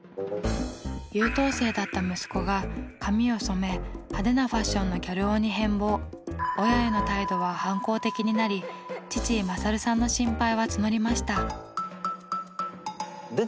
優等生だった息子が髪を染め派手なファッションの親への態度は反抗的になり父・勝さんの心配は募りました。